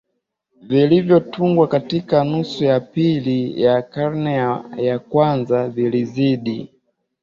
vilivyotungwa katika nusu ya pili ya karne ya kwanza vilizidi